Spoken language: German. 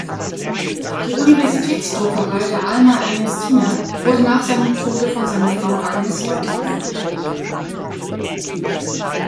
Die Universitätsdruckerei der Alma Ernestina wurde nach seinem Tode von seiner Frau Agnes weitergeführt.